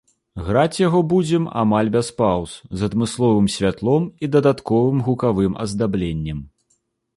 Граць яго будзем амаль без паўз, з адмысловым святлом і дадатковым гукавым аздабленнем.